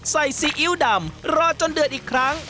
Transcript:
ซีอิ๊วดำรอจนเดือดอีกครั้ง